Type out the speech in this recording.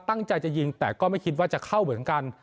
ตั้งใจจะยิงแต่ก็ไม่คิดว่าจะเข้าเหมือนกัน